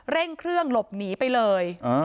เร่งเครื่องหลบหนีไปเลย